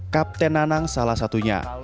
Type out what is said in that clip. kapten nanang salah satunya